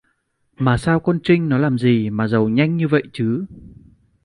Mà sao con Trinh nó làm gì mà giàu nhanh như vậy chứ